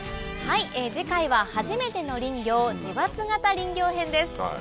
はい次回ははじめての林業自伐型林業編です。